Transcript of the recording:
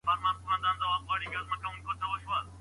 اقتصاد پوهنځۍ بې هدفه نه تعقیبیږي.